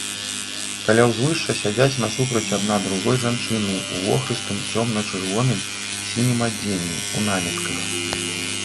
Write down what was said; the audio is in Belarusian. Каля ўзвышша сядзяць насупраць адна другой жанчыны ў вохрыстым, цёмна-чырвоным, сінім адзенні, у намітках.